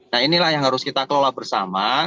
nah inilah yang harus kita kelola bersama